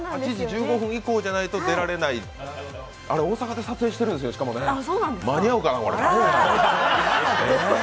８時１５分以降でないと出られないあれ、大阪で撮影しているんですよね、しかもね。